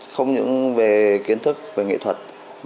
không những về kiến thức về nghệ thuật